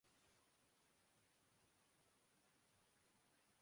لہذا مصنوعی طور پر گرم علاقوں جیسا ماحول پیدا کرنے کی غرض سے